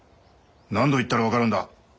何度言ったら分かるんだ！